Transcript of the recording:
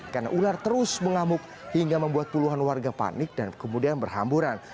karena ular terus mengamuk hingga membuat puluhan warga panik dan kemudian berhamburan